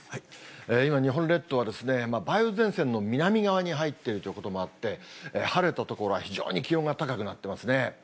今、日本列島は梅雨前線の南側に入っているということもあって、晴れた所は非常に気温が高くなってますね。